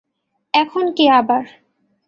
এখন কী আবার?